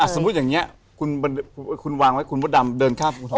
สมมุติอย่างนี้